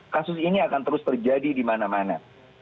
kasus ini akan terus terjadi di mana mana